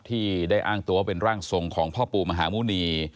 ที่ได้อ้างตัวเป็นร่างทรงของพ่อปู่มหาหมุณี